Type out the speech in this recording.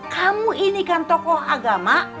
kamu ini kan tokoh agama